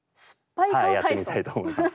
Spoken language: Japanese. やってみたいと思います。